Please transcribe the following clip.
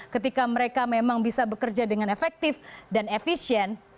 ketika mereka memang bisa bekerja dengan efektif dan efisien